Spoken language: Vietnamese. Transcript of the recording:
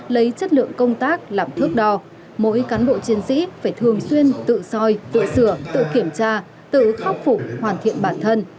lấy chất lượng công tác làm thước đo mỗi cán bộ chiến sĩ phải thường xuyên tự soi tự sửa tự kiểm tra tự khắc phục hoàn thiện bản thân